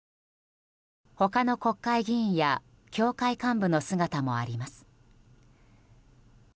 他の国会議員や教会幹部の姿もあります。